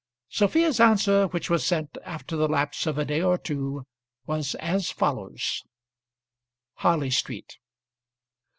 Sophia's answer, which was sent after the lapse of a day or two, was as follows: Harley Street